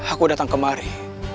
aku datang kemari